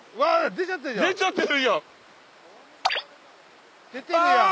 出ちゃってるやん！